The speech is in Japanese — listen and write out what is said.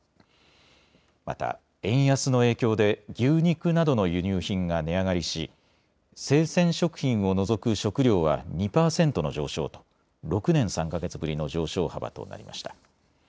また、円安の影響で牛肉などの輸入品が値上がりし生鮮食品を除く食料は２％の上昇と６年３か月ぶりの上昇幅となりました。